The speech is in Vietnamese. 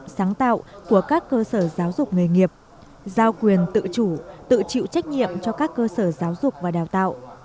cơ sở giáo dục sáng tạo của các cơ sở giáo dục nghề nghiệp giao quyền tự chủ tự chịu trách nhiệm cho các cơ sở giáo dục và đào tạo